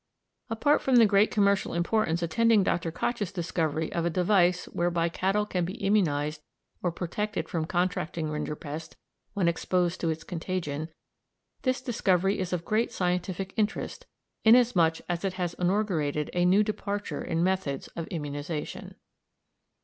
Apart from the great commercial importance attending Dr. Koch's discovery of a device whereby cattle can be immunised or protected from contracting rinderpest when exposed to its contagion, this discovery is of great scientific interest, inasmuch as it has inaugurated a new departure in methods of immunisation.